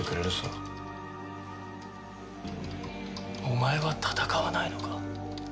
お前は戦わないのか？